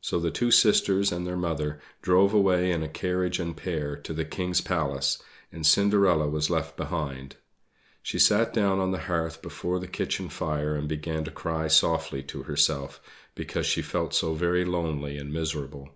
So the two sisters and their mother drove away in a carriage and pair to the King's palace, and Cinderella was left behind. She sat down on the hearth before the kitchen fire and began to cry softly to herself, because she felt so very lonely and miserable.